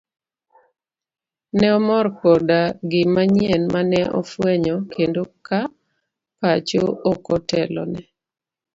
Ne omor koda gima nyien mane ofwenyo kendo ka pacho okotelone.